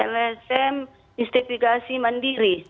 lsm investigasi mandiri